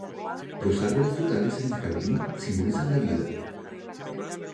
Los árboles frutales en el jardín simbolizan la vida.